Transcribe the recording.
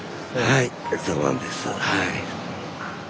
はい。